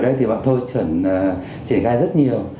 đây thì bọn tôi chuẩn triển khai rất nhiều